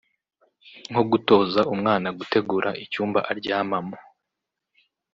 nko gutoza umwana gutegura icyumba aryamamo